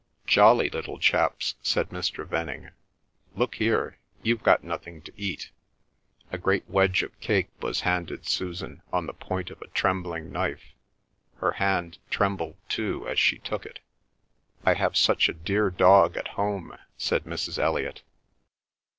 "Jolly little chaps," said Mr. Venning. "Look here, you've got nothing to eat." A great wedge of cake was handed Susan on the point of a trembling knife. Her hand trembled too as she took it. "I have such a dear dog at home," said Mrs. Elliot.